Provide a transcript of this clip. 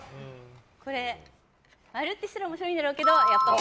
これ、○ってしたら面白いんだろうけど。